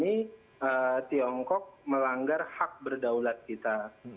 ini tiongkok melanggar hak berdaulat kita